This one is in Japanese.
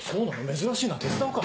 珍しいな手伝おうか。